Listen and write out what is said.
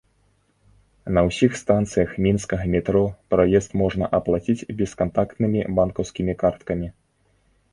На ўсіх станцыях мінскага метро праезд можна аплаціць бескантактнымі банкаўскімі карткамі.